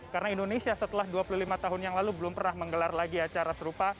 karena indonesia setelah dua puluh lima tahun yang lalu belum pernah menggelar lagi acara serupa